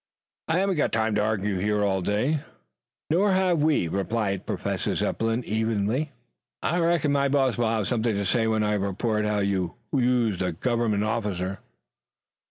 "I haven't got time to argue here all day " "Nor have we," replied Professor Zepplin evenly. "I reckon my boss will have something to say when I report how you used a government officer."